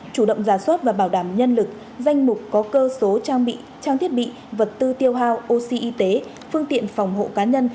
chủ động giả soát và bảo đảm nhân lực danh mục có cơ số trang bị trang thiết bị vật tư tiêu hao oxy y tế phương tiện phòng hộ cá nhân